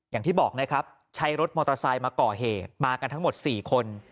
อย่างที่บอกนะครับใช้รถมอเตอร์ไซค์มาก่อเหตุมากันทั้งหมด๔คน